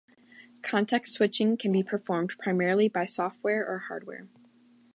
Context switching can be performed primarily by software or hardware.